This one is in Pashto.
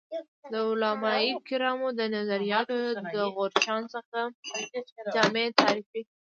د علمای کرامو د نظریاتو د غورچاڼ څخه جامع تعریف